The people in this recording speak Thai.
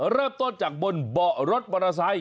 เริ่มต้นจากบนเบาะรถบรรทัย